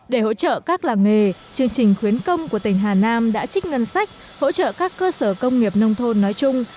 để hỗ trợ các làng nghề chương trình khuyến công của tỉnh hà nam đã trích ngân sách hỗ trợ các cơ sở công nghiệp nông thôn nói chung